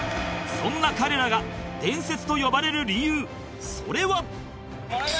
そんな彼らが伝説と呼ばれる理由それは